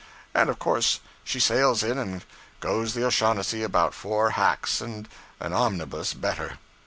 And of course she sails in and goes the O'Shaughnessy about four hacks and an omnibus better.